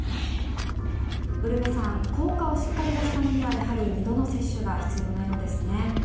ウルヴェさん効果をしっかり出すためにはやはり２度の接種が必要なようですね。